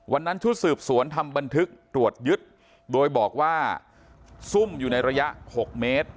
วันนั้นชุดสืบสวนทำบันทึกตรวจยึดโดยบอกว่าซุ่มอยู่ในระยะ๖เมตร